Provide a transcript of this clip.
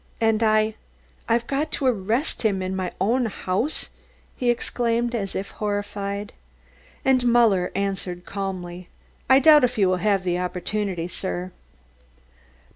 "And I, I've got to arrest him in my own house?" he exclaimed as if horrified. And Muller answered calmly: "I doubt if you will have the opportunity, sir."